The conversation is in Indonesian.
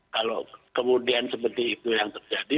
kalau kemudian seperti itu yang terjadi